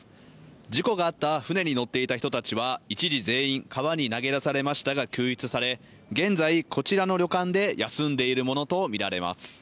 事故があった舟に乗っていた人たちは一時全員、川に投げ出されましたが救出され、現在、こちらの旅館で休んでいるものとみられます。